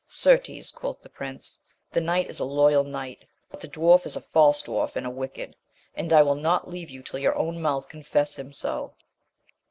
Certes, quoth the prince, the knight is a loyal knight, but the dwarf is a false dwarf and a wicked, and I will not leave you till your own mouth confess him so.